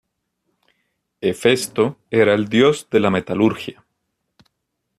Hefesto era el dios de la metalurgia.